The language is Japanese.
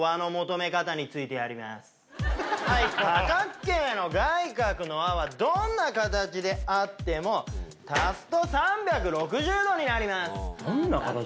多角形の外角の和はどんな形であっても足すと３６０度になります。